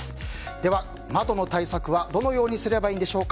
では、窓の対策はどのようにすればいいんでしょうか。